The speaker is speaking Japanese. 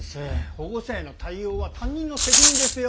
保護者への対応は担任の責任ですよ。